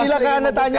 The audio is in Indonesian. silahkan anda tanya